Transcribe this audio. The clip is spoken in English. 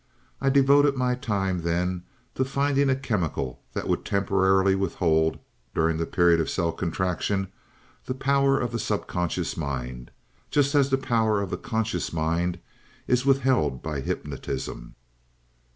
I devoted my time, then to finding a chemical that would temporarily withhold, during the period of cell contraction, the power of the subconscious mind, just as the power of the conscious mind is withheld by hypnotism.